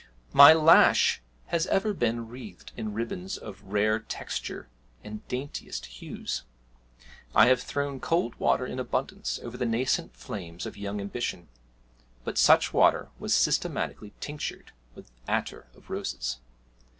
My lash has ever been wreathed in ribbons of rare texture and daintiest hues; I have thrown cold water in abundance over the nascent flames of young ambition but such water was systematically tinctured with attar of roses.